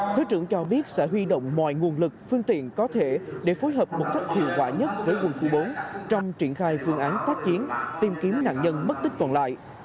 thứ trưởng cho biết sẽ huy động mọi nguồn lực phương tiện có thể để phối hợp một cách hiệu quả nhất với quân khu bốn trong triển khai phương án tác chiến tìm kiếm nạn nhân mất tích còn lại